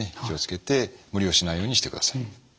気を付けて無理をしないようにしてください。